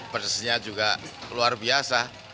pedasnya juga luar biasa